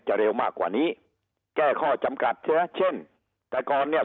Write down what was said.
เร็วมากกว่านี้แก้ข้อจำกัดใช่ไหมเช่นแต่ก่อนเนี่ย